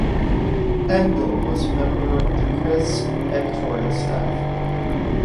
Engdahl was member of the "Kris" editorial staff.